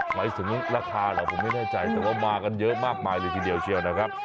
หมายถึงราคาเหรอผมไม่แน่ใจแต่ว่ามากันเยอะมากมายเลยทีเดียวเชียวนะครับ